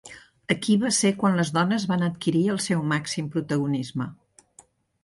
Aquí va ser quan les dones van adquirir el seu màxim protagonisme.